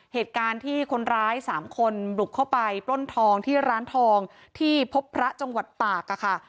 เหตุการณ์ที่คนร้ายสามคนบุกเข้าไปปล้นทองที่ร้านทองที่พบพระจังหวัดตากค่ะ